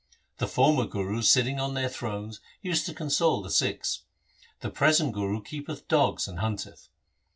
The former Gurus sitting on their thrones used to console the Sikhs ; the present Guru keepeth dogs and hunteth.